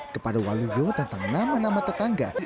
kepada waluyo tentang nama nama tetangga